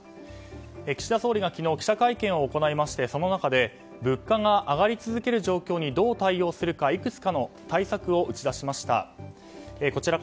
岸田総理は昨日記者会見を行いましてその中で物価が上がり続ける状況にどう対応するかいくつかの対策を打ち出しました。